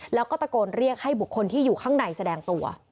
แล้วก็ตะโกนเรียกให้บุคคลที่อยู่ข้างในแสดงตัว